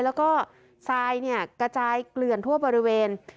แล้วก็ทรายเนี่ยกระจายเกลื่อนทั่วบริเวณ